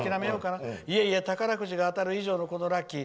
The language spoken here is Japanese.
いえいえ、宝くじが当たる以上のこのラッキー。